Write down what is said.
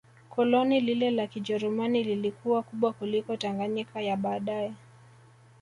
Koloni lile la Kijerumani lilikuwa kubwa kuliko Tanganyika ya baadae